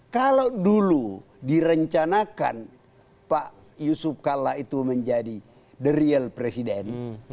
kalau dulu direncanakan pak yusuf kalla itu menjadi the real presiden